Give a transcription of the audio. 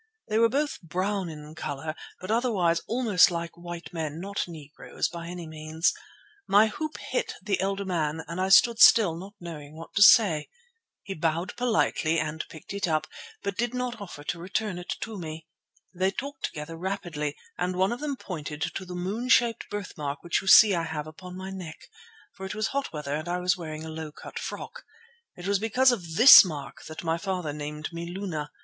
They were both brown in colour, but otherwise almost like white men; not Negroes by any means. My hoop hit the elder man, and I stood still, not knowing what to say. He bowed politely and picked it up, but did not offer to return it to me. They talked together rapidly, and one of them pointed to the moon shaped birthmark which you see I have upon my neck, for it was hot weather, and I was wearing a low cut frock. It was because of this mark that my father named me Luna.